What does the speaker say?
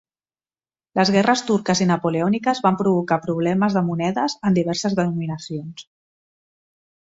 Les guerres turques i napoleòniques van provocar problemes de monedes en diverses denominacions.